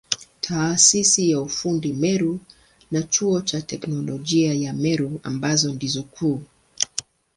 Taasisi ya ufundi Meru na Chuo cha Teknolojia ya Meru ambazo ndizo kuu.